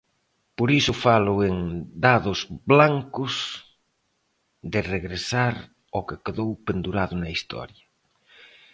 Por iso falo en 'Dados blancos' de regresar ao que quedou pendurado na historia.